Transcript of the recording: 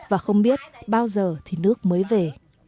và không biết bao giờ thì nước mới về